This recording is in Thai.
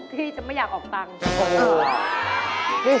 ที่จะไม่อยากออกตังค์